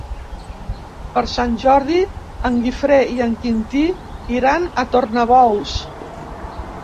Per Sant Jordi en Guifré i en Quintí iran a Tornabous.